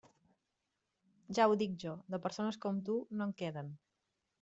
Ja ho dic jo; de persones com tu, no en queden.